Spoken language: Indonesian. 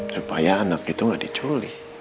supaya anak itu gak diculik